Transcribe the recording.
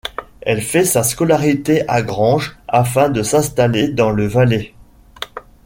Elle fait sa scolarité à Granges afin de s'installer dans le Valais.